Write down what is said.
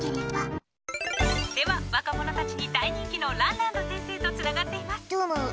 では、若者たちに大人気のランランド先生とつながっています。